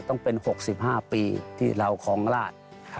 ต้องเป็น๖๕ปีที่เราคล้องราช